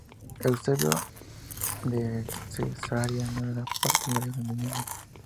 Eusebio de Cesarea no era partidario del Milenio.